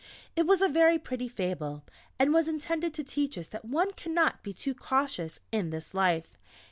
It was a very pretty Fable and was intended to teach us that one cannot be too cautious in this life.